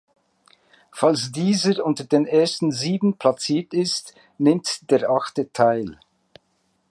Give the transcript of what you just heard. Falls dieser unter den ersten sieben platziert ist, nimmt der Achte teil.